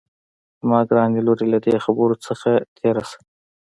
زما ګرانې لورې له دې خبرې څخه تېره شه